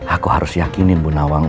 aku harus yakinin bu nawang